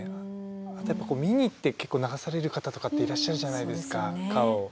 あとやっぱ見に行って結構流される方とかっていらっしゃるじゃないですか川を。